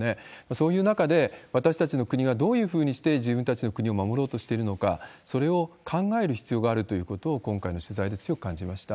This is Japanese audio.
そういう中で、私たちの国がどういうふうにして、自分たちの国を守ろうとしているのか、それを考える必要があるということを、今回の取材で強く感じました。